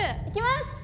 いきます！